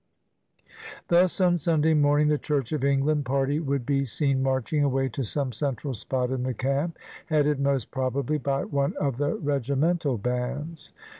Thus, on Sxmday morning, the Church of England party would be seen marching away to some central spot in the camp, headed, most probably, by one of the regimental bands.